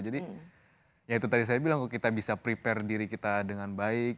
jadi ya itu tadi saya bilang kok kita bisa prepare diri kita dengan baik